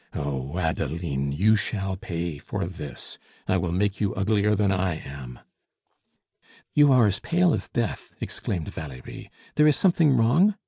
"Oh, Adeline, you shall pay for this! I will make you uglier than I am." "You are as pale as death!" exclaimed Valerie. "There is something wrong?